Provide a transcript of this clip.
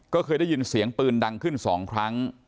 ก็เคยได้ยินเสียงปืนดังขึ้น๒ครั้ง